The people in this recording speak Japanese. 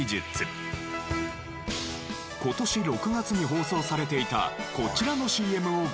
今年６月に放送されていたこちらのＣＭをご覧ください。